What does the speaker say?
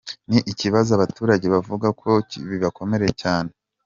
Ni ikibazo abaturage bavuga ko kibakomereye cyane.